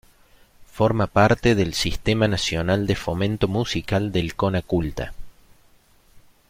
Forma parte del Sistema Nacional de Fomento Musical del Conaculta.